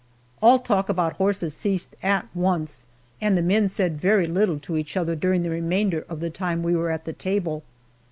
All talk about horses ceased at once, and the men said very little to each other during the remainder of the time we were at the table.